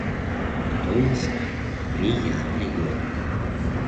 Томск — приятный город